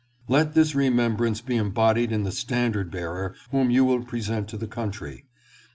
Let this remembrance be embodied in the standard bearer whom you will present to the country.